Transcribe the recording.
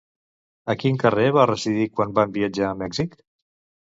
A quin carrer van residir quan van viatjar a Mèxic?